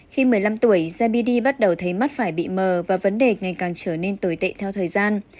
khi một mươi năm tuổi gbdy bắt đầu thấy mắt phải bị mờ và vấn đề ngày càng trở nên tồi tệ theo thời gian